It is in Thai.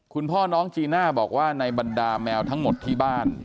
คุณพ่อน้องจีน่าบอกว่าในบรรดาแมวทั้งหมดที่บ้าน